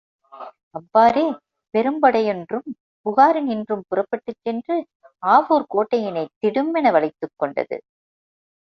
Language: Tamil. அவ்வாறே, பெரும்படை யொன்றும் புகாரினின்றும் புறப்பட்டுச் சென்று, ஆவூர்க் கோட்டையினைத் திடுமென வளைத்துக் கொண்டது.